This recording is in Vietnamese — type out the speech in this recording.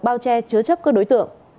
bao che chứa chấp các đối tượng